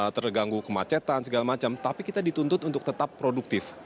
terganggu kemacetan segala macam tapi kita dituntut untuk tetap produktif